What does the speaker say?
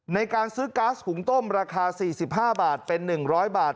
ในการซื้อก๊าซหุงต้มราคา๔๕บาทเป็น๑๐๐บาท